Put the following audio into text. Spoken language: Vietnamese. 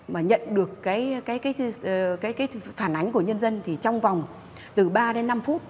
mà nhận được cái phản ánh của nhân dân thì trong vòng từ ba đến năm phút